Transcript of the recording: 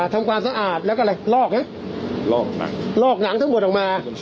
ทำความสะอาดแล้วก็อะไรลอกนะลอกหนังลอกหนังทั้งหมดออกมา